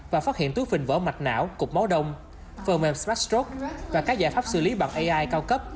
và phát hiện tuyết phình vỡ mạch não cục máu đông phần mềm smart stroke và các giải pháp xử lý bằng ai cao cấp